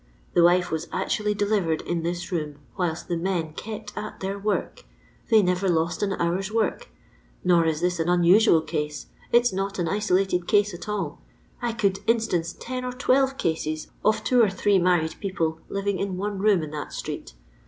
The wife was actually delivered in this room whilst the men kept at their work — they never lost an hour's work ; nor is this an unasnal case — it 's not an isolateid case at alL I could instance ten or twelve cases of two or three married people living in one room in that street.